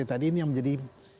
tadi ini yang menjadi